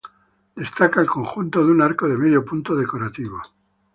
Destaca el conjunto de un arco de medio punto decorativo.